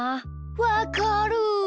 わかる。